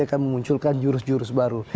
akan memunculkan jurus jurus baru